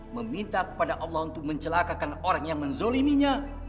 meminta kepada allah untuk mencelakakan orang yang menzoliminya